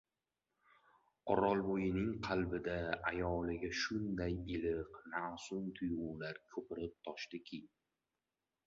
O‘rolboynnig qalbida ayoliga shunday iliq, ma’sum tuyg‘ular ko‘pirib toshdiki…